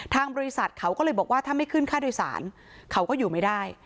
ทางบริษัทเขาก็เลยบอกว่าถ้าไม่ขึ้นค่าโดยสารเขาก็อยู่ไม่ได้